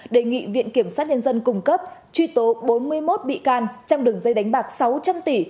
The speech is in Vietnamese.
đề nghị viện kiểm sát nhân dân cung cấp truy tố bốn mươi một bị can trong đường dây đánh bạc sáu trăm linh tỷ